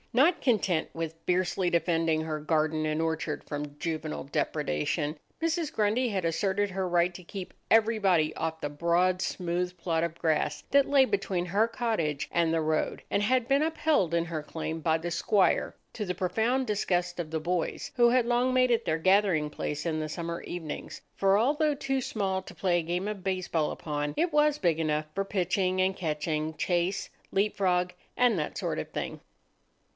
Not content with fiercely defending her garden and orchard from juvenile depredation, Mrs. Grundy had asserted her right to keep everybody off the broad, smooth plot of grass that lay between her cottage and the road, and had been upheld in her claim by the squire, to the profound disgust of the boys, who had long made it their gathering place in the summer evenings; for although too small to play a game of baseball upon, it was big enough for pitching and catching, chase, leap frog, and that sort of thing.